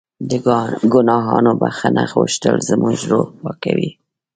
د ګناهونو بښنه غوښتل زموږ روح پاکوي.